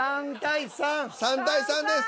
３対３です。